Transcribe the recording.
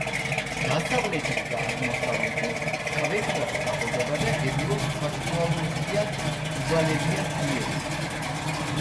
დასავლეთით და აღმოსავლეთით მკვეთრად დაბლდება და ღებულობს საშუალომთიან უვალებიან იერს.